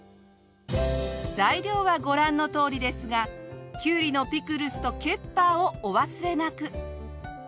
材料はご覧のとおりですがキュウリのピクルスとケッパーをお忘れなく。